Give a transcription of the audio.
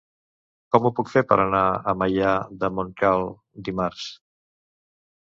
Com ho puc fer per anar a Maià de Montcal dimarts?